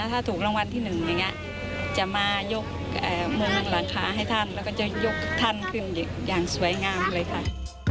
ถ้าถูกรางวัลที่๑จะมาต่อหางคุณสวยงามเลย